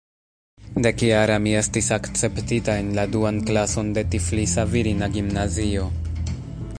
Dekjara mi estis akceptita en la duan klason de Tiflisa virina gimnazio.